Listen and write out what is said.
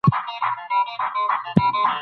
فلسفې د دین او علم ترمنځ توازن ته اړتیا لري.